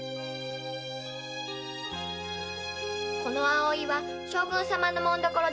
この葵は将軍様の紋所でしょ？